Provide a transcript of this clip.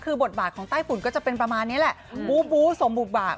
คือบทบาทของใต้ฝุ่นก็จะเป็นประมาณนี้แหละบูบูสมบุบบ่า